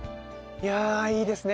いやいいですね